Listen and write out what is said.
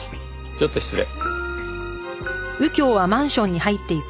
ちょっと失礼。